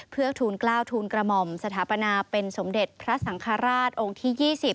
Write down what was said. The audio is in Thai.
เพื่อทูลกล้าวทูลกระหม่อมสถาปนาเป็นสมเด็จพระสังฆราชองค์ที่๒๐